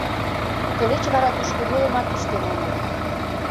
Тылеч вара тушко йолемат пыштен омыл.